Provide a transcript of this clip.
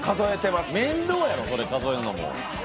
面倒やろ、それ数えるのも。